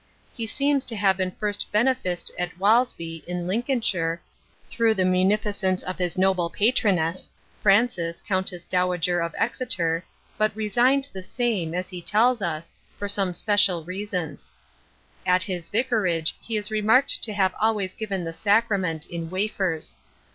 He seems to have been first beneficed at Walsby, in Lincolnshire, through the munificence of his noble patroness, Frances, Countess Dowager of Exeter, but resigned the same, as he tells us, for some special reasons. At his vicarage he is remarked to have always given the sacrament in wafers.